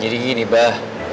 jadi gini bah